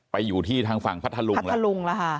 อยู่ที่ทางฝั่งพัทธลุงแล้วทะลุงแล้วค่ะ